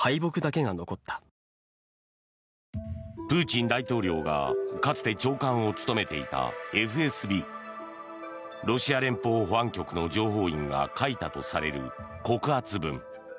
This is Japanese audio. プーチン大統領がかつて長官を務めていたＦＳＢ・ロシア連邦保安局の情報員が書いたとされる告発文。